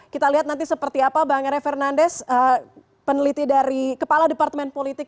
kita lihat nanti seperti apa bang era fernandes peneliti dari kepala departemen politik